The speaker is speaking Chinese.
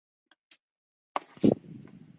南方铁路是英国的一家铁路客运公司。